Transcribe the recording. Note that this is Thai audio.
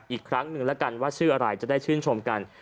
อีกครั้งหนึ่งแล้วกันว่าชื่ออะไรจะได้ชื่นชมกัน